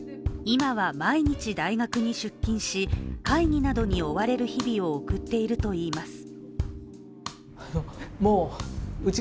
今は毎日大学に出勤し、会議などに追われる日々を送っているといいます。